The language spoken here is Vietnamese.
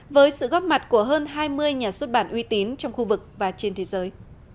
với sự góp mặt của hơn hai mươi nhà xuất bản uy tín trong khu vực và trên thế giới